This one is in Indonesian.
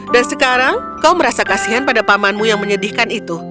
dan sekarang kau merasa kasihan pada pamanmu yang menyedihkan itu